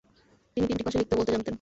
তিনি তিনটি ভাষা লিখতে ও বলতে জানতেন।